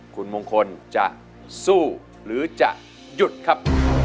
คุณมงคลจะสู้หรือจะหยุดครับ